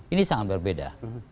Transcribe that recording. ini sangat berbeda